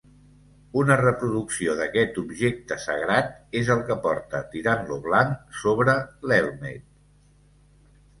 Una reproducció d'aquest objecte sagrat és el que porta Tirant lo Blanc sobre l'elmet.